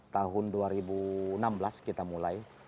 tahun dua ribu enam belas kita mulai